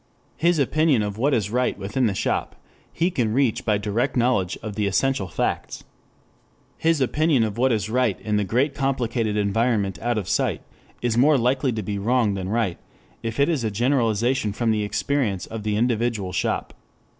His opinion of what is right within the shop he can reach by direct knowledge of the essential facts. His opinion of what is right in the great complicated environment out of sight is more likely to be wrong than right if it is a generalization from the experience of the individual shop.